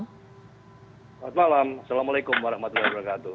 selamat malam assalamualaikum warahmatullahi wabarakatuh